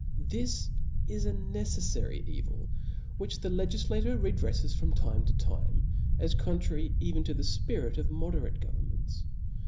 This is a neceffary evil, which the Icgiflator redreffes from time to time, as contrary even to the fpirit of moderate governments.